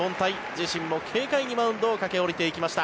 自身も軽快にマウンドを駆け下りていきました。